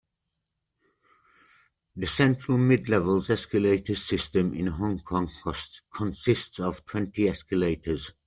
The Central-Midlevels escalator system in Hong Kong consists of twenty escalators.